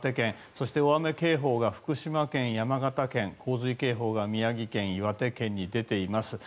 そして大雨警報が福島県、山形県洪水警報が宮城県、岩手県に出ています。